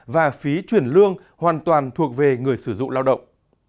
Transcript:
và phí chuyển lương hoàn toàn thuộc về người sử dụng